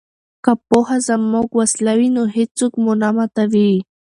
که پوهه زموږ وسله وي نو هیڅوک مو نه ماتوي.